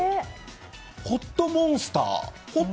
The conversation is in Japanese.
ホットモンスター。